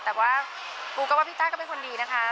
แต่ว่าปูก็ว่าพี่ต้าก็เป็นคนดีนะคะ